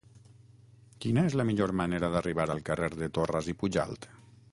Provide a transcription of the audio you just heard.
Quina és la millor manera d'arribar al carrer de Torras i Pujalt?